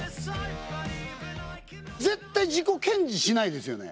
絶対自己顕示しないですよね